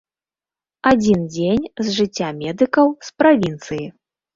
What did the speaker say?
Адзін дзень з жыцця медыкаў з правінцыі.